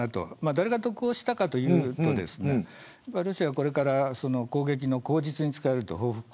誰が得をしたかというとロシアはこれから攻撃の口実に使える。